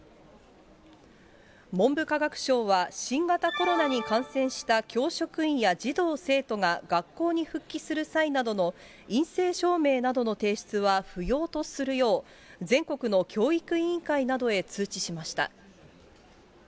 文部科学省は、新型コロナに感染した教職員や児童・生徒が、学校に復帰する際などの陰性証明などの提出は不要とするよう、全国の教育委員会などへ通知しました。